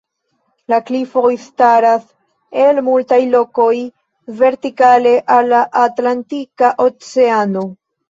La klifoj staras el multaj lokoj vertikale al la Atlantika oceano.